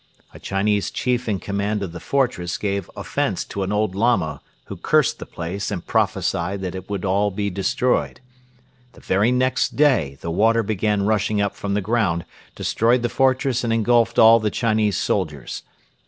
A Chinese chief in command of the fortress gave offence to an old Lama who cursed the place and prophesied that it would all be destroyed. The very next day the water began rushing up from the ground, destroyed the fortress and engulfed all the Chinese soldiers.